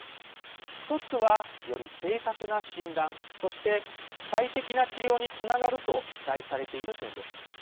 １つは、より正確な診断そして最適な治療につながると期待されている点です。